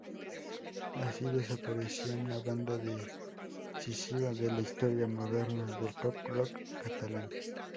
Así desaparecía una banda decisiva de la historia moderna del pop-rock catalán.